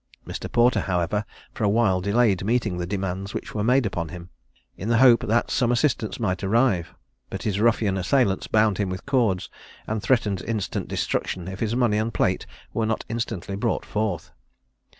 Mr. Porter, however, for a while delayed meeting the demands which were made upon him, in the hope that some assistance might arrive; but his ruffian assailants bound him with cords, and threatened instant destruction if his money and plate were not instantly brought forth.